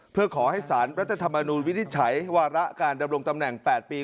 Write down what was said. เพื่อขอให้สารรัฐธรรมนูลวินิจฉัยวาระการดำรงตำแหน่ง๘ปี